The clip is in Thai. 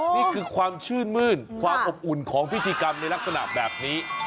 นี่คือความชื่นมื้นความอบอุ่นของพิธีกรรมในลักษณะแบบนี้